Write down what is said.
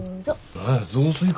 何や雑炊か。